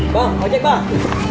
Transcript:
bang ojek bang